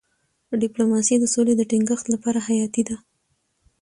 ډيپلوماسي د سولې د ټینګښت لپاره حیاتي ده.